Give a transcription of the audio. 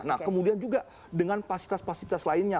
nah kemudian juga dengan pasifitas pasifitas lainnya